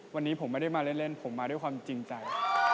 วันนี้ผมไม่ได้มาเล่นผมมาด้วยความจริงใจ